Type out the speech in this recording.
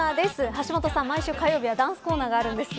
橋下さん、毎週火曜日はダンスコーナーがあるんです。